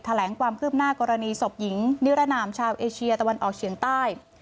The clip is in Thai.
แถลงความคืบหน้ากรณีศพหญิงนิรนามชาวเอเชียตะวันออกเฉียงใต้